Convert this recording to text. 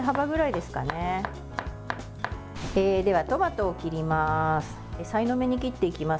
では、トマトを切ります。